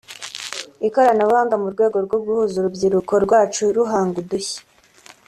ikoranabuhanga mu rwego rwo guhuza urubyiruko rwacu ruhanga udushya